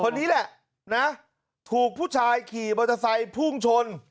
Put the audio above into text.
คนนี้แหละถูกผู้ชายขี่บริษัทฟุ่งชน